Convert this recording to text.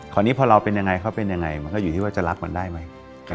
คราวนี้พอเราเป็นยังไงเขาเป็นยังไงมันก็อยู่ที่ว่าจะรับมันได้ไหม